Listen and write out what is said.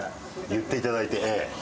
言っていただいて。